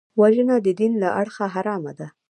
وژنه د دین له اړخه حرامه ده